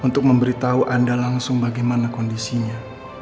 untuk memberitahu anda langsung bagaimana kondisinya